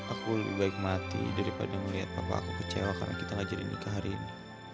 aku lebih baik mati daripada melihat papa aku kecewa karena kita ngajarin nikah hari ini